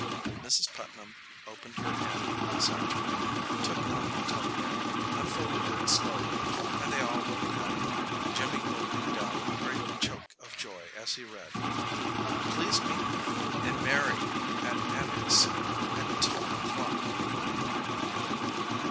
Mrs. Putnam opened her hand satchel, took out the telegram, unfolded it slowly, and they all looked at it, Jimmy gulping down a great choke of joy as he read: "Please meet me and marry at Annex at two o'clock."